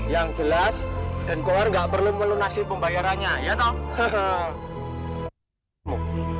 yang jelas denkohar gak perlu melunasi pembayarannya ya toh